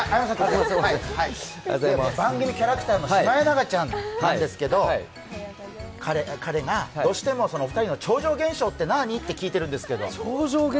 番組キャラクターのシマエナガちゃんなんですけど彼がどうしてもお二人の超常現象ってなあにって聞いてるんですけど。